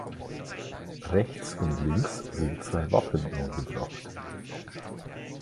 Rechts und links sind zwei Wappen angebracht.